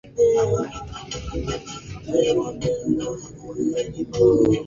Anaweza na anajitahidi kuweza na ataweza tumsaidie na kumshauri vizuri